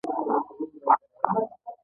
ګډون کوونکی باید د شرکت یو یا څو سهمونه واخلي